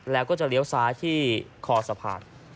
แล้วก็จะเลี้ยวซ้ายที่คอสะพาน